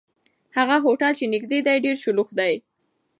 هغه هوټل چې نږدې دی، ډېر شلوغ دی.